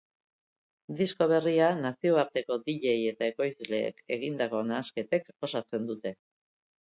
Disko berria nazioarteko dj eta ekoizleek egindako nahasketek osatzen dute.